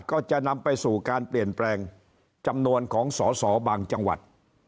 ก็จะนำไปสู่การเปลี่ยนแปลงจำนวนของสอสอบางจังหวัด